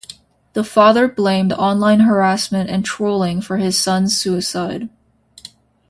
The father blamed online harassment and trolling for his son’s suicide.